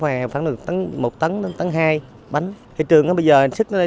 và dạy nghề